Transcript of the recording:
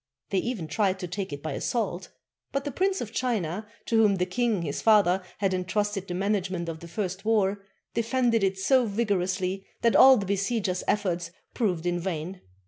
They even tried to take it by assault; but the Prince of China, to whom the king his father had entrusted the management of the first war, defended it so vigorously that all the besiegers' efforts proved in vain.